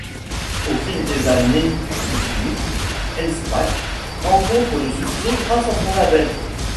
Au fil des années qui suivent, Elstak rencontre le succès grâce à son label.